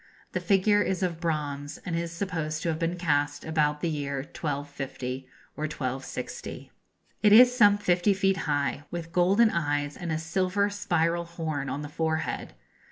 The figure is of bronze, and is supposed to have been cast about the year 1250 or 1260. It is some 50 ft. high, with golden eyes and a silver spiral horn on the forehead.